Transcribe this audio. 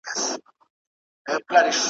ښار ته څېرمه یې لار سیخه پر بیابان سوه ,